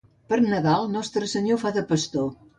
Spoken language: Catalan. Per Nadal, Nostre Senyor fa de pastor.